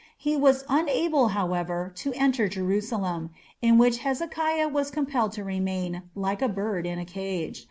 He was unable, however, to enter Jerusalem, in which Hezekiah was compelled to remain "like a bird in a cage".